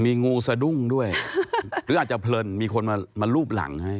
มีงูสะดุ้งด้วยหรืออาจจะเพลินมีคนมารูปหลังให้